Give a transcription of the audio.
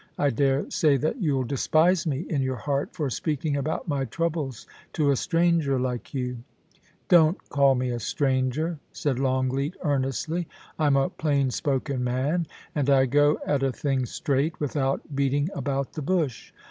I dare say that you'll despise me in your heart for speaking about my troubles to a stranger like yoa' ' Don't call me a stranger,' said Longleat, earnestly. ' I'm a plain spoken man, and I go at a thing straight, without beating about the bush.